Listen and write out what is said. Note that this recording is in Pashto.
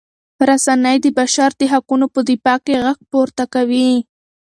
رسنۍ د بشر د حقونو په دفاع کې غږ پورته کوي.